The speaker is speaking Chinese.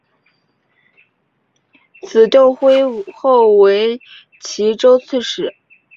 子窦恽后为岐州刺史。